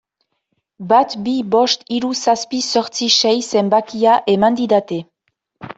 Bat bi bost hiru zazpi zortzi sei zenbakia eman didate.